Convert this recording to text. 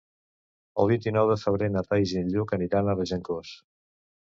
El vint-i-nou de febrer na Thaís i en Lluc aniran a Regencós.